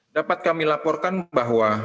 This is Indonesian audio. dapat kami laporkan bahwa